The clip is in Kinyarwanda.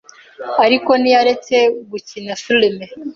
ariko ntiyaretse gukina films